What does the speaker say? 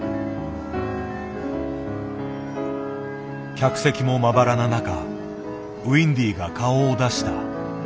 客席もまばらな中ウインディが顔を出した。